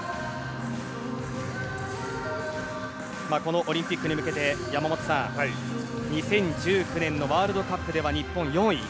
このオリンピックに向けて山本さん２０１９年のワールドカップでは日本４位。